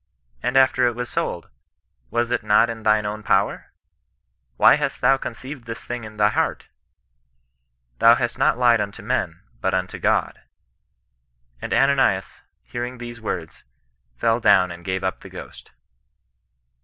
and after it was sold, was it not in thine own power ! Why hast thou conceived this thing in thy heart ? Thou hast not lied unto men, but unto God. And Ananias, hearing these words, fell down and gave up the ghost."